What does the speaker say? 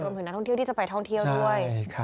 ถึงนักท่องเที่ยวที่จะไปท่องเที่ยวด้วย